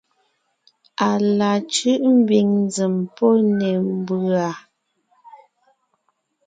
À la cʉ́ʼ ḿbiŋ nzèm pɔ́ ne ḿbʉ̀a.